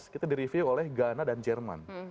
dua ribu tujuh belas kita di review oleh ghana dan jerman